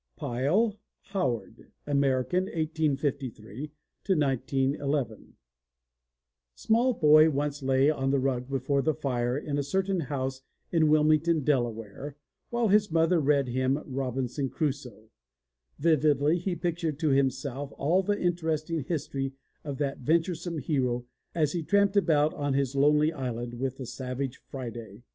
134 THE LATCH KEY PYLE, HOWARD (American, 1853 1911) SMALL boy once lay on the rug before the fire in a certain house in Wilming ton, Delaware, while his mother read him Robinson Crusoe, Vividly he pic tured to himself all the interesting his tory of that venturesome hero as he tramped about on his lonely island with the savage, Friday.